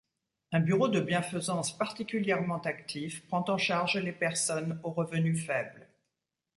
Un bureau de bienfaisance particulièrement actif prend en charge les personnes aux revenus faibles.